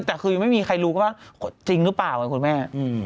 แต่คือยังไม่มีใครรู้ว่าจริงหรือเปล่าไงคุณแม่